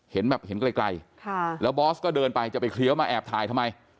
เห็นแบบเห็นไกลแล้วบอสก็เดินไปจะไปเคี้ยวมาแอบถ่ายทำไม